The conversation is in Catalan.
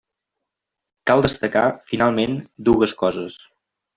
Cal destacar, finalment, dues coses.